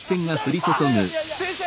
先生！